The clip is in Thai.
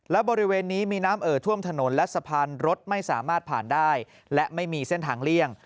และบริเวณนี้มีน้ำเอ่อท่วมถนนและสะพานรถไม่สามารถผ่านได้และไม่มีเส้นทางเลี่ยง